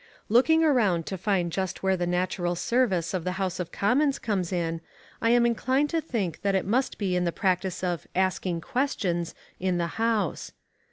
Looking around to find just where the natural service of the House of Commons comes in, I am inclined to think that it must be in the practice of "asking questions" in the House.